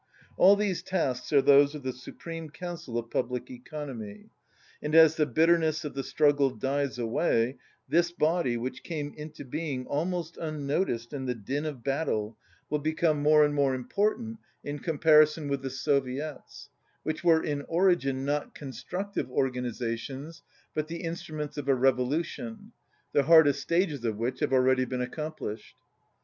All these tasks are those of the Supreme Council of Public Economy, and as the bitterness of the struggle dies away this body, which came into being almost unnoticed in the din of battle, will become more 125 and more important in comparison with the So viets, which were in origin not constructive organ izations but the instruments of a revolution, the hardest stages of which have already been accom plished.